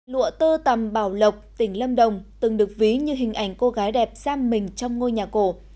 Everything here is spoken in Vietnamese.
lụa tơ tầm bảo lộc tỉnh lâm đồng từng được ví như hình ảnh cô gái đẹp giam mình trong ngôi nhà cổ